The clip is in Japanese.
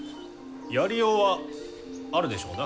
やりようはあるでしょうな。